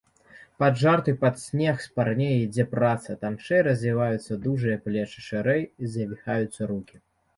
Пад жарты, пад смех спарней ідзе праца, танчэй развінаюцца дужыя плечы, шчырэй завіхаюцца рукі.